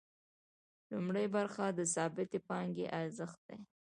لومړۍ برخه د ثابتې پانګې ارزښت دی